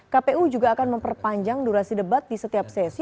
kpu juga akan memperpanjang durasi debat di setiap sesi